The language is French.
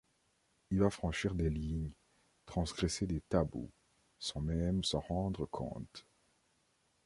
Il va franchir des lignes, transgresser des tabous, sans même s'en rendre compte.